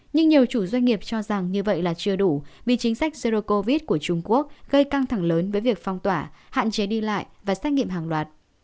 nhưng nhiều chủ doanh nghiệp cho rằng như vậy là chưa đủ vì chính sách zero covid của trung quốc gây căng thẳng lớn với việc phong tỏa hạn chế đi lại và xét nghiệm hàng loạt